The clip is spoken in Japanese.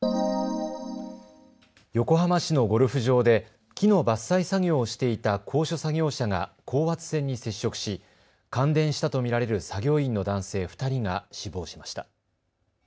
横浜市のゴルフ場で木の伐採作業をしていた高所作業車が高圧線に接触し感電したと見られる作業員の男性２人が死亡しました。